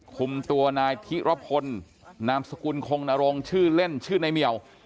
คุมตัวนายธิรพลนามสกุลคงนรงชื่อเล่นชื่อในเหมียว